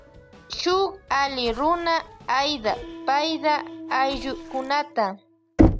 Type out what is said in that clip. Shuk alli runa aida paipa ayllukunata.